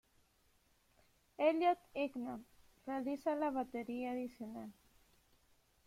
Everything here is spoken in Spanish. Elliott Ingham realiza la batería adicional.